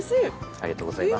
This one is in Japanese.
ありがとうございます。